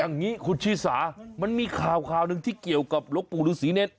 อย่างนี้คุณชิสามันมีข่าวข่าวหนึ่งที่เกี่ยวกับหลวงปู่ฤษีเนร